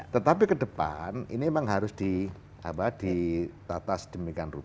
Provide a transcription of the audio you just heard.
tetapi ke depan ini memang harus ditata sedemikian rupa